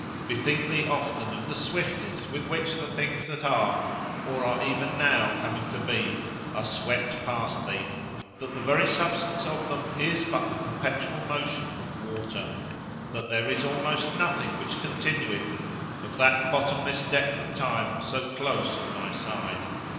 "Bethink thee often of the swiftness with which the things that are, or are even now coming to be, are swept past thee: that the very substance of them is but the perpetual motion of water: that there is almost nothing which continueth: of that bottomless depth of time, so close at thy side.